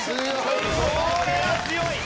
これは強い！